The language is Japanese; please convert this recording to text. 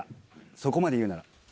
そこまで言うなら。